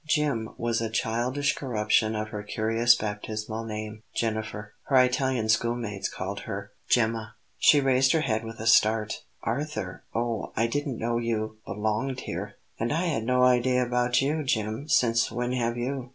"Jim" was a childish corruption of her curious baptismal name: Jennifer. Her Italian schoolmates called her "Gemma." She raised her head with a start. "Arthur! Oh, I didn't know you belonged here!" "And I had no idea about you. Jim, since when have you